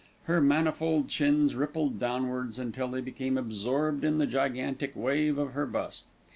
Her manifold chins rippled downwards until they became absorbed in the gigantic wave of her bust.